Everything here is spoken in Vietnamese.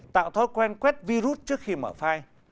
tạo thói quen quét virus trước khi mở file